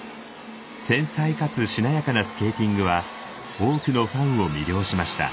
繊細かつしなやかなスケーティングは多くのファンを魅了しました。